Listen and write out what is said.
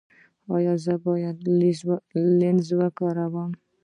ایا زه باید لینز وکاروم؟